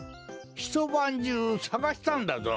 ひとばんじゅうさがしたんだぞ。